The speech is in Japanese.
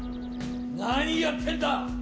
何やってんだ！